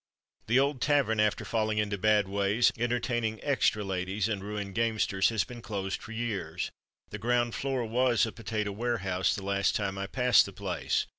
The old tavern, after falling into bad ways, entertaining "extra ladies" and ruined gamesters, has been closed for years. The ground floor was a potato warehouse the last time I passed the place.